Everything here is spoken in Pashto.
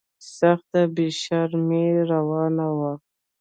سخته بې شرمي روانه وه.